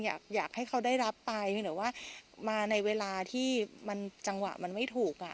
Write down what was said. อยากให้เขาได้รับไปเพียงแต่ว่ามาในเวลาที่มันจังหวะมันไม่ถูกอ่ะ